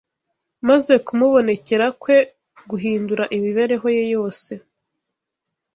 maze kumubonekera kwe guhindura imibereho ye yose